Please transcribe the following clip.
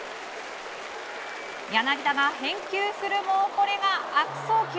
柳田が返球するもこれが悪送球。